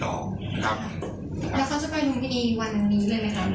แล้วเขาจะไปลุมพินีวันนี้เลยไหมครับ